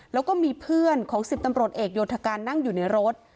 แล้วก็มีเพื่อนของ๑๐ตำรวจเอกโยธการนั่งอยู่ในรถ